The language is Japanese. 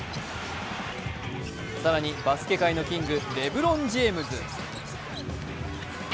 更にバスケ界のキング、レブロン・ジェームズ。